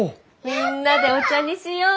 みんなでお茶にしよう！